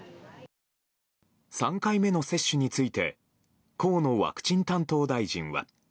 ３回目の接種について河野ワクチン担当大臣は。